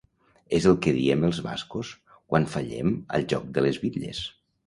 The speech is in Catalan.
És el que diem els bascos quan fallem al joc de les bitlles.